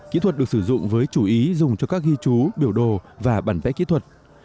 kỹ thuật được sử dụng với chủ ý dùng cho các ghi chú biểu đồ và bản vẽ kỹ thuật